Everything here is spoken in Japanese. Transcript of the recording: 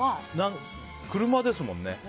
車ですもんね。